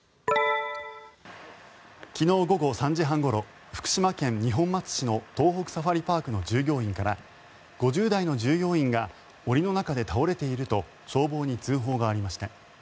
昨日午後３時半ごろ福島県二本松市の東北サファリパークの従業員から５０代の従業員が檻の中で倒れていると消防に通報がありました。